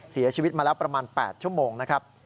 เสียชีวิตมาแล้วประมาณ๘ชั่วโมงนะครับ